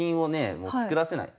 もう作らせない。